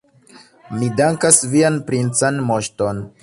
Mi dankas vian princan moŝton.